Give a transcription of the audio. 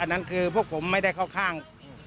นั่นคือพวกผมไม่ได้เข้าข้าง